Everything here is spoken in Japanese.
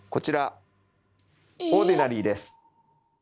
「オーディナリー」です。